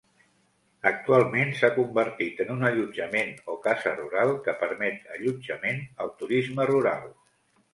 Actualment s'ha convertit en un allotjament o casa rural, que permet allotjament al turisme rural.